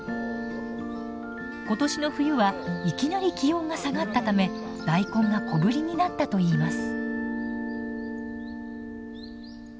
今年の冬はいきなり気温が下がったため大根が小ぶりになったといいます。